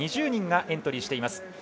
２０人がエントリーしています。